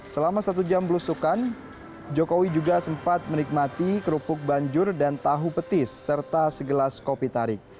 selama satu jam belusukan jokowi juga sempat menikmati kerupuk banjur dan tahu petis serta segelas kopi tarik